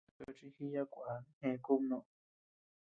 Tochi jììya kuaa, jee kubnoʼö.